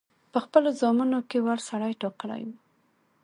په خپلو زامنو کې وړ سړی ټاکلی وو.